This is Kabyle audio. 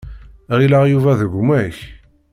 Ɣileɣ Yuba d gma-k.